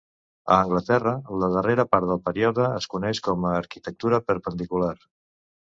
A Anglaterra, la darrera part del període es coneix com a arquitectura perpendicular.